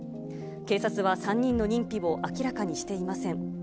警察は、３人の認否を明らかにしていません。